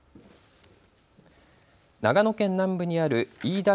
長野県南部にある飯田